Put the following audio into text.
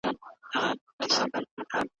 ایا زه کولی شم ستاسو ادبي مقاله ولولم؟